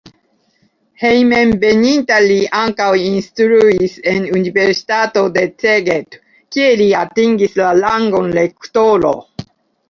Hejmenveninta li ankaŭ instruis en universitato de Szeged, kie li atingis la rangon rektoro.